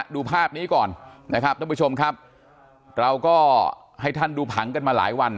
ดูภาพนี้ก่อนนะครับท่านผู้ชมครับเราก็ให้ท่านดูผังกันมาหลายวัน